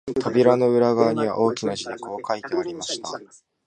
扉の裏側には、大きな字でこう書いてありました